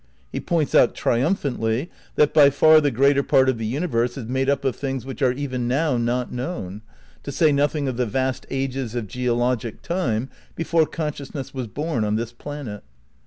He points out triumphantly that by far the greater part of the universe is made up of things which are even now not known, to say nothing of the vast ages of geologic time before consciousness was bom on this planet.